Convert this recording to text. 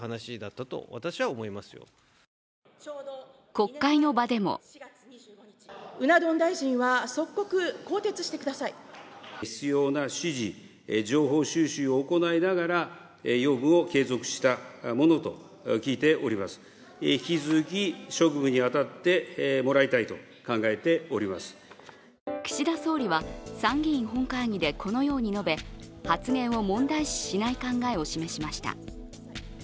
国会の場でも岸田総理は参議院本会議このように述べ発言を問題視しない考えを示しました。